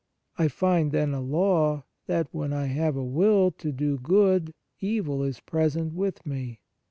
I find then a law, that when I have a will to do good, evil is present with me.